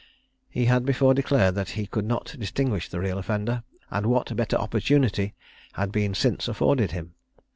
He had before declared that he could not distinguish the real offender, and what better opportunity had been since afforded him?